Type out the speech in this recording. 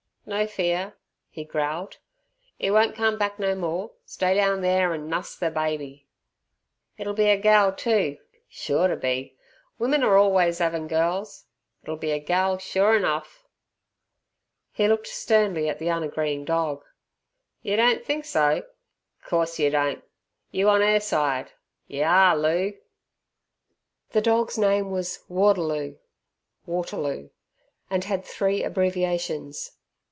"No fear," he growled, "'e won't come back no more; stay down there an' nuss ther babby. It'll be a gal too, sure to be! Women are orlways 'avin' gals. It'll be a gal sure enough." He looked sternly at the unagreeing dog. "Yer don't think so! Course yer don't. You on 'er side? Yer are, Loo!" The dog's name was "Warderloo" (Waterloo) and had three abbreviations.